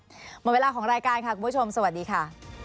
หมดเวลาของรายการค่ะคุณผู้ชมสวัสดีค่ะ